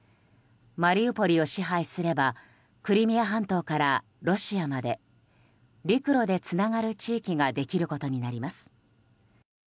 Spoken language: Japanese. マリウポリを支配すればクリミア半島からロシアまで陸路でつながる地域ができることになります。